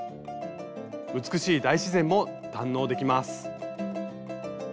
美しい大自然も堪能できます。